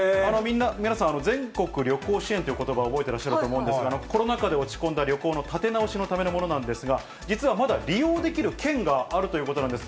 皆さん、全国旅行支援ということばを覚えてらっしゃると思うんですが、コロナ禍で落ち込んだ旅行の立て直しのためのものなんですが、実は、まだ利用できる県があるということなんです。